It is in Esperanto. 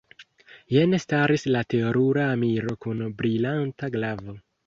Jen staris la terura emiro kun brilanta glavo.